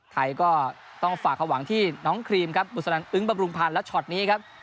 ไทยก็ต้องฝากความหวังที่น้องครีมครับบุษนันอึ้งบำรุงพันธ์และช็อตนี้ครับ